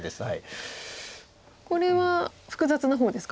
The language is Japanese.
これは複雑な方ですか？